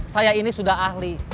saya ini sudah ahli